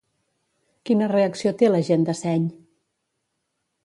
Quina reacció té la gent de seny?